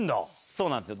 そうなんですよ。